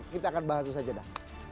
kita akan bahas itu saja dah